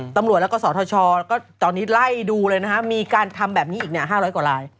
ตำรวจแล้วก็สทชก็ตอนนี้ไล่ดูเลยนะฮะมีการทำแบบนี้อีก๕๐๐กว่าลาย